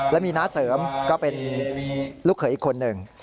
และมีน้าเสริมก็เป็นลูกเขยอีกคนหนึ่ง